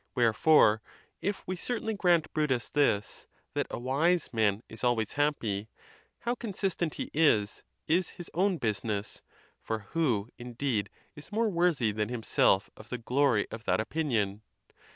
Wherefore, if we certainly grant Brutus this, that a wise man is always happy, how consistent he is, is his own business; for who, indeed, is more worthy than himself of the glory of that opinion?